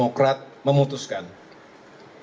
untuk berkongsi tentang hal hal yang terjadi